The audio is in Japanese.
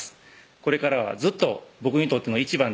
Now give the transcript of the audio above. これからはずっと僕にとっての１番でいてください